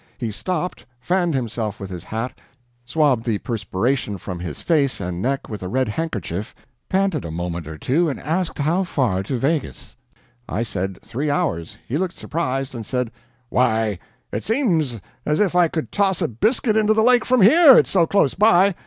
He stopped, fanned himself with his hat, swabbed the perspiration from his face and neck with a red handkerchief, panted a moment or two, and asked how far to Waeggis. I said three hours. He looked surprised, and said: "Why, it seems as if I could toss a biscuit into the lake from here, it's so close by.